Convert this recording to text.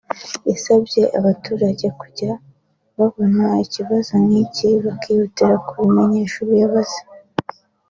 yasabye abaturage kujya babona ikibazo nk’iki bakihutira kubimenyesha ubuyobozi